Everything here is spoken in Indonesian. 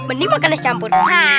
mending makanya dicampur